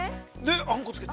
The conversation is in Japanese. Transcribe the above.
◆あんこつけて。